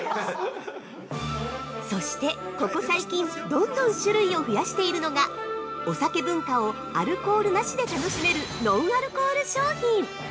◆そして、ここ最近どんどん種類を増やしているのがお酒文化をアルコールなしで楽しめるノンアルコール商品。